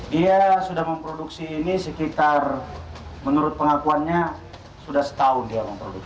dia sudah memproduksi ini sekitar menurut pengakuannya sudah setahun dia memproduksi